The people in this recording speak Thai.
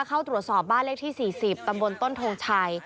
เข้าตรวจสอบบ้านเลขที่๔๐ตำบลต้นทงชัย